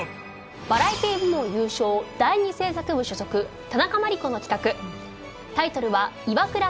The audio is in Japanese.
バラエティー部門優勝第２制作部所属田中万莉子の企画